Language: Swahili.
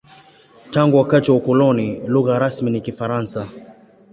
Tangu wakati wa ukoloni, lugha rasmi ni Kifaransa.